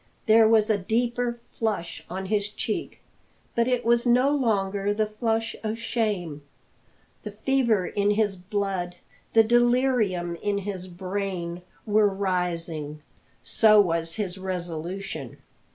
There was a deeper flush on his cheek, but it was no longer the flush of shame. The fever in his blood, the delirium in his brain, were rising. So was his resolution.